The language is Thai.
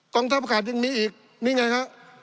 กองทัพอากาศยังมีอีกนี่ไงครับ